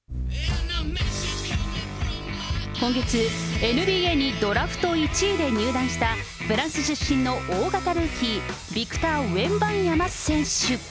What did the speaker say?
今月、ＮＢＡにドラフト１位で入団した、フランス出身の大型ルーキー、ビクター・ウェンバンヤマ選手。